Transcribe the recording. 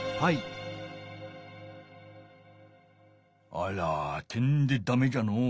あらてんでだめじゃのう。